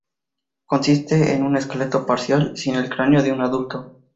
Consiste en un esqueleto parcial sin el cráneo de un adulto.